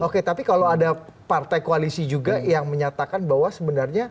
oke tapi kalau ada partai koalisi juga yang menyatakan bahwa sebenarnya